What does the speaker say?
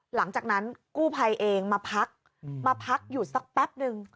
หลังจากนั้นกู้ภัยเองมาพักมาพักอยู่สักแป๊บนึง